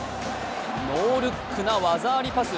ノールックな技ありパス。